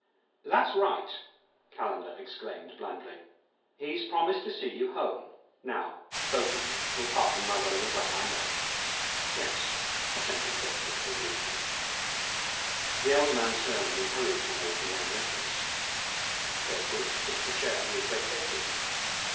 "That's right!" Calendar exclaimed blandly. "He's promised to see you home. Now both of you will pardon my running away, I know." "Yes," assented Kirkwood agreeably. The elder man turned and hurried toward the main entrance. Kirkwood took the chair he had vacated.